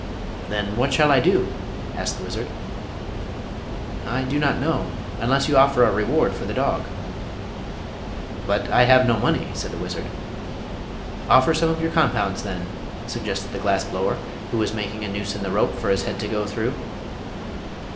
"Then what shall I do?" asked the wizard. "I do not know, unless you offer a reward for the dog." "But I have no money," said the wizard. "Offer some of your compounds, then," suggested the glass blower, who was making a noose in the rope for his head to go through.